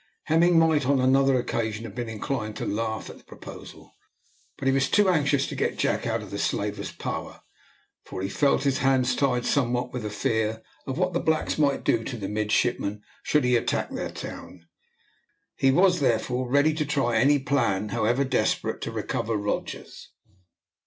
Hemming might on another occasion have been inclined to laugh at the proposal, but he was too anxious to get Jack out of the slavers' power, for he felt his hands tied somewhat with the fear of what the blacks might do to the midshipman should he attack their town. He was, therefore, ready to try any plan, however desperate, to recover Rogers.